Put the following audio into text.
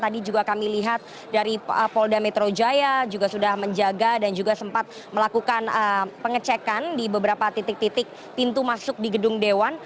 tadi juga kami lihat dari polda metro jaya juga sudah menjaga dan juga sempat melakukan pengecekan di beberapa titik titik pintu masuk di gedung dewan